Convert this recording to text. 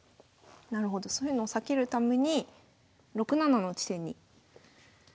なるほどそういうのを避けるために６七の地点に利きを。